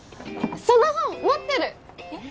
その本持ってる！え？